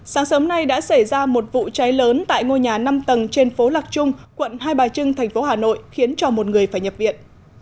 sáng sớm nay đã xảy ra một vụ cháy lớn tại ngôi nhà năm tầng trên phố lạc trung quận hai bài trưng tp hcm khiến cho một người phải nhập viện